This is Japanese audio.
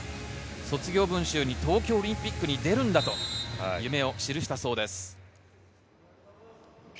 卒業文集に東京オリンピックに出るんだと夢を記したそうです。